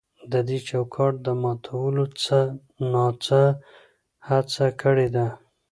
د دې چوکاټ د ماتولو څه نا څه هڅه کړې ده.